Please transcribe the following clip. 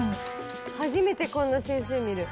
「初めてこんな先生見る」